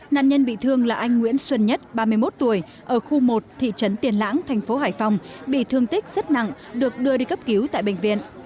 nạn nhân bị thương là anh nguyễn xuân nhất ba mươi một tuổi ở khu một thị trấn tiền lãng thành phố hải phòng bị thương tích rất nặng được đưa đi cấp cứu tại bệnh viện